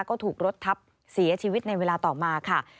ก็ถูกรถทับเสียชีวิตในเวลาต่อมาค่ะ